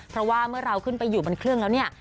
เพราะว่าเมื่อเราขึ้นไปอยู่บนเครื่องแล้วเนี่ย